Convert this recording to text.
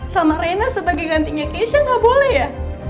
sama reina sebagai gantinya keisha nggak boleh ya